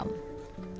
siang berganti malam